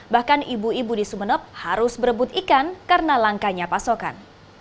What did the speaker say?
bahkan ibu ibu di sumeneb harus berebut ikan karena langkanya pasokan